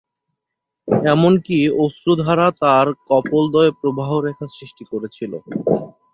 এমনকি অশ্রু ধারা তাঁর কপোলদ্বয়ে প্রবাহ-রেখা সৃষ্টি করেছিল।